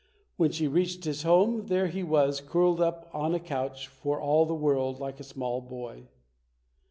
When she reached his home, there he was curled up on a couch for all the world like a small boy.